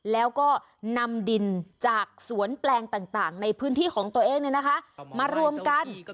แล้วก็นำดินจากสวนแปลงต่างในพื้นที่ของตัวเองมารวมกัน